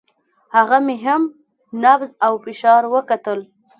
هغه مې هم نبض او فشار وکتل.